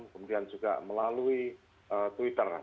kemudian juga melalui twitter